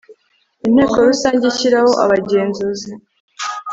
inteko rusange ishyiraho abagenzuzi